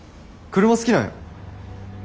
車好きなんやろ？